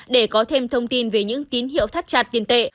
để có thêm thông tin về những tín hiệu thắt chặt tiền tệ